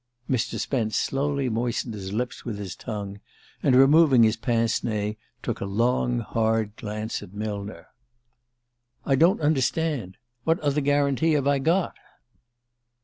Mr. Spence slowly moistened his lips with his tongue, and removing his pince nez, took a long hard look at Millner. "I don't understand. What other guarantee have I got?"